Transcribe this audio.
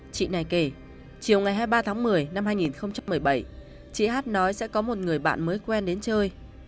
chị này kể chiều ngày hai mươi ba tháng một mươi năm hai nghìn một mươi bảy chị hát nói sẽ có một người bạn mới quen đến chơi